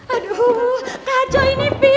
aduh kacau ini fi